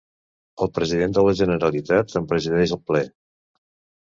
El president de la Generalitat en presideix el Ple.